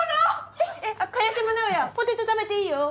えっえっ萱島直哉ポテト食べていいよ